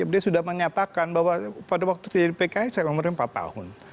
dia sudah menyatakan bahwa pada waktu tidak di pki saya umurnya empat tahun